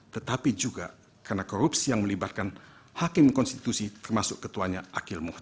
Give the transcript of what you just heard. tetapi juga karena korupsi yang melibatkan hakim konstitusi termasuk ketuanya akil muhammad